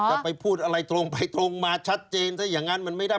จะไปพูดอะไรตรงไปตรงมาชัดเจนซะอย่างนั้นมันไม่ได้